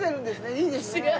いいですね。